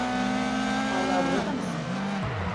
Hâlâ burada mısın?